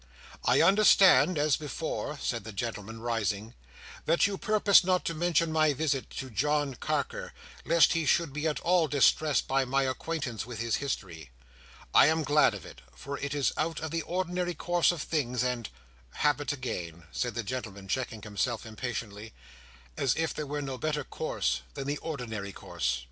"I understand, as before," said the gentleman, rising, "that you purpose not to mention my visit to John Carker, lest he should be at all distressed by my acquaintance with his history. I am glad of it, for it is out of the ordinary course of things, and—habit again!" said the gentleman, checking himself impatiently, "as if there were no better course than the ordinary course!"